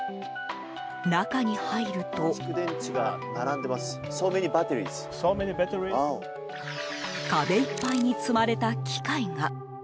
中に入ると壁いっぱいに積まれた機械が。